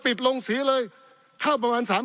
ปี๑เกณฑ์ทหารแสน๒